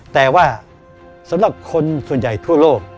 แต่ว่าสำหรับคนส่วนใหญ่ทั่วโลก